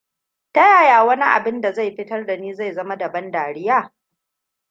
Ta yaya wani abin da zai fitar da ni zai zama da ban dariya?